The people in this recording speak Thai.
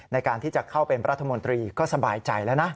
ในการที่จะเข้าเป็นรัฐมนตรีก็สบายใจแล้วนะ